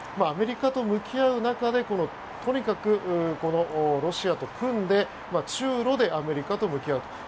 アメリカと向き合う中でとにかくロシアと組んで中ロでアメリカと向き合うと。